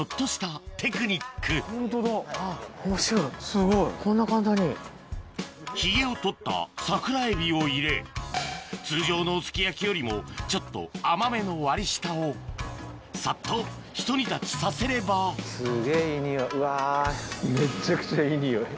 すごい。ヒゲを取った桜えびを入れ通常のすき焼きよりもちょっと甘めの割り下をサッとひと煮立ちさせればめっちゃくちゃいい匂い。